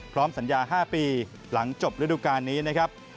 พร้อมสัญญา๕ปีหลังจบฤดุการณ์นี้นะครับ